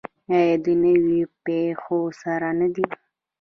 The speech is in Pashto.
آیا د نویو پیښو سره نه دی؟